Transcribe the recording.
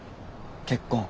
結婚？